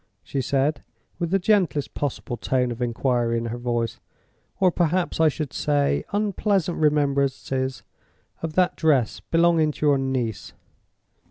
she said, with the gentlest possible tone of inquiry in her voice. "Or perhaps I should say, unpleasant remembrances of that dress belonging to your niece?"